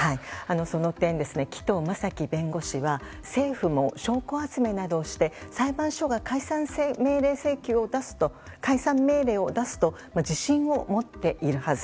その点、紀藤正樹弁護士は政府も証拠集めなどをして裁判所が解散命令を出すと自信を持っているはず。